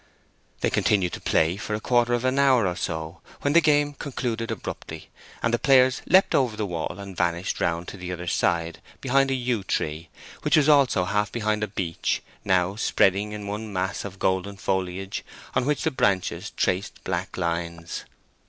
They continued playing for a quarter of an hour or so, when the game concluded abruptly, and the players leapt over the wall and vanished round to the other side behind a yew tree, which was also half behind a beech, now spreading in one mass of golden foliage, on which the branches traced black lines.